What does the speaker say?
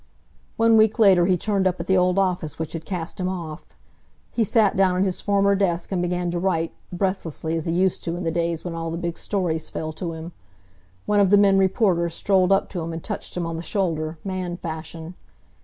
One week later he turned up at the old office which had cast him off. He sat down at his former desk and began to write, breathlessly, as he used to in the days when all the big stories fell to him. One of the men reporters strolled up to him and touched him on the shoulder, man fashion.